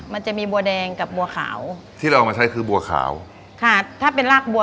มันจะมีบัวแดงกับบัวขาวที่เราเอามาใช้คือบัวขาวค่ะถ้าเป็นรากบัว